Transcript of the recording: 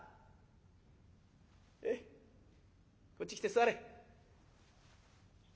こっち来て座れ」。